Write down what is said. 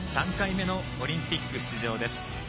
３回目のオリンピック出場。